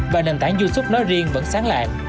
và nền tảng youtube nói riêng vẫn sáng lạc